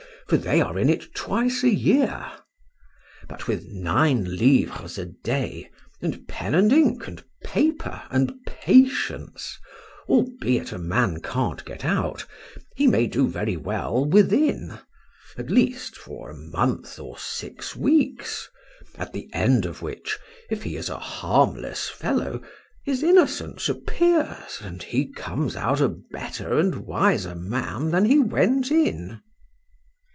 for they are in it twice a year.—But with nine livres a day, and pen and ink, and paper, and patience, albeit a man can't get out, he may do very well within,—at least for a month or six weeks; at the end of which, if he is a harmless fellow, his innocence appears, and he comes out a better and wiser man than he went in.